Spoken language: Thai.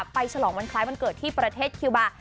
ไปฉลองวันได้เบื้อบรรเกิดที่ประเทศคริวบาร์